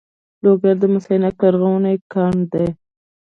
لوګر د مس عینک لرغونی کان لري